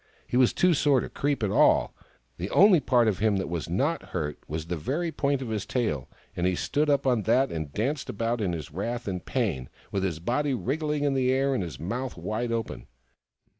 He was too sore to creep at all : the only part of him that was not hurt was the very point of his tail, and he stood up on that and danced about in his wrath and pain, with his body wriggling in the air, and his mouth wide open.